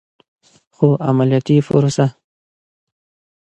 خو عملیاتي پروسه